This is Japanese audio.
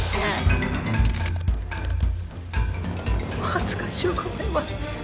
恥ずかしゅうございます。